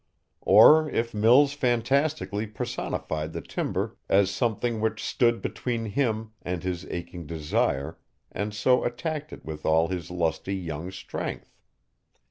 Or if Mills fantastically personified the timber as something which stood between him and his aching desire and so attacked it with all his lusty young strength.